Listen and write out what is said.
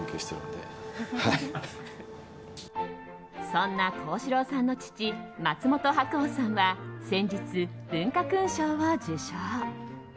そんな幸四郎さんの父松本白鸚さんは先日、文化勲章を受章。